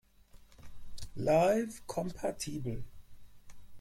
Live kompatibel.